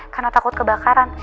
karena takut kebakaran